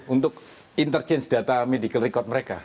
untuk interchange data medical record mereka